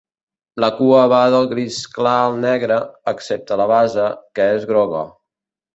La cua va del gris clar al negre, excepte la base, que és groga.